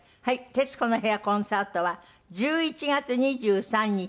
「徹子の部屋」コンサートは１１月２３日